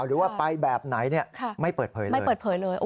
หรือว่าไปแบบไหนไม่เปิดเผยเลย